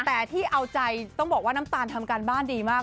แต่ที่เอาใจต้องบอกว่าน้ำตาลทำการบ้านดีมาก